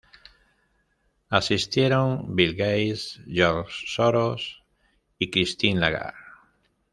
Asistieron Bill Gates, George Soros y Christine Lagarde.